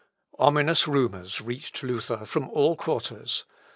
Ominous rumours reached Luther from all quarters.